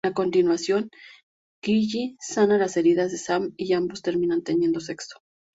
A continuación, Gilly sana las heridas de Sam y ambos terminan teniendo sexo.